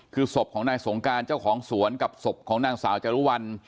คือศพของนายสงการเจ้าของสวนกับศพของนางสาวจรุวัล